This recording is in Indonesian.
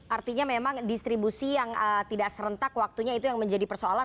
artinya memang distribusi yang tidak serentak waktunya itu yang menjadi persoalan